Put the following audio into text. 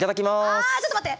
あちょっと待って！